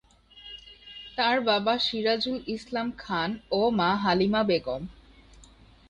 তার বাবা সিরাজুল ইসলাম খান ও মা হালিমা বেগম।